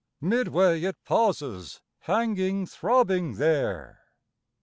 Midway it pauses, hanging throbbing there.